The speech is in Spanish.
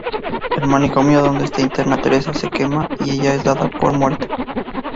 El manicomio donde está interna Teresa se quema y ella es dada por muerta.